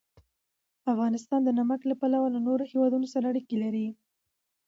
افغانستان د نمک له پلوه له نورو هېوادونو سره اړیکې لري.